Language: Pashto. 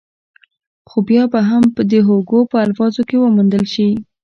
خو بيا به هم د هوګو په الفاظو کې وموندل شي.